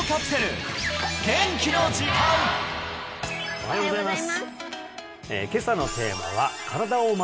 おはようございます